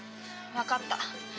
わかった。